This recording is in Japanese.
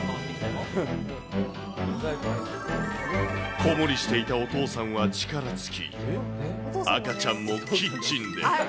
子守していたお父さんは力尽き、赤ちゃんもキッチンで。